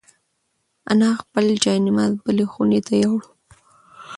انا خپل جاینماز بلې خونې ته یووړ.